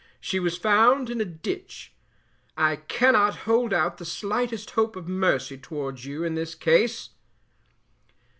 She was found in a ditch. I cannot hold out the slightest hope of mercy towards you in this case."